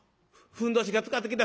ふんどしがつかってきた。